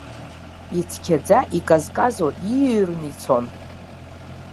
Ицқьаӡа, иказказуа ииаҩры ицон.